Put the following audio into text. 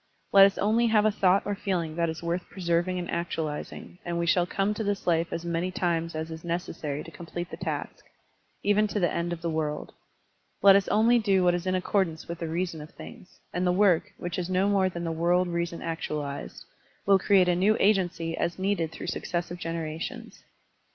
Let us only have a thought or feeling that is worth preserv ing and actualizing, and we shall come to this life as many times as is necessary to complete the task, even to the end of the world. Let us only do what is in accordance with the reason of things, and the work, which is no more than the world reason actualized, will create a new agency as needed through successive generations.